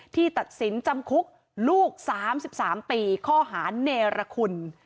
ตัดสินจำคุกลูก๓๓ปีข้อหาเนรคุณ